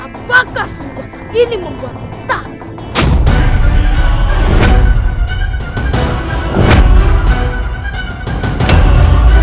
apakah senjata ini membuat takut